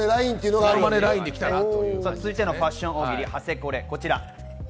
続いてのファッション大喜利、ハセコレこちら。